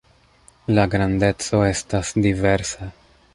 La grandeco estas diversa.